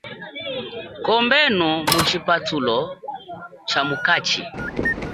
Kombenu mu chipathulo chamukachi.